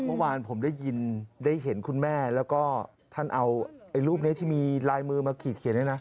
เมื่อวานผมได้ยินได้เห็นคุณแม่แล้วก็ท่านเอารูปนี้ที่มีลายมือมาขีดเขียนด้วยนะ